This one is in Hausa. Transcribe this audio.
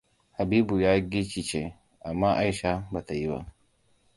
Habibu ya gigice, amma Aisha ba ta yi ba.